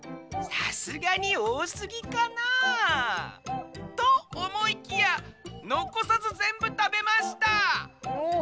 さすがにおおすぎかなとおもいきやのこさずぜんぶたべました。